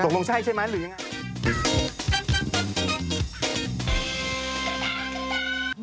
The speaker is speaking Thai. ลงใช่ใช่ไหมหรือยังไง